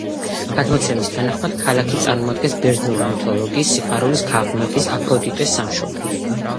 გადმოცემის თანახმად ქალაქი წარმოადგენს ბერძნული მითოლოგიის სიყვარულის ქალღმერთის აფროდიტეს სამშობლოს.